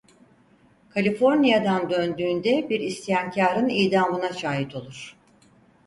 Kaliforniya'dan döndüğünde bir isyankârın idamına şahit olur.